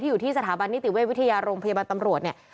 อยู่ที่สถาบันนิติเวชวิทยาโรงพยาบาลตำรวจเนี่ย